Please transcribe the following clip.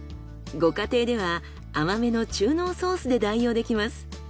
ご家庭では甘めの中濃ソースで代用できます。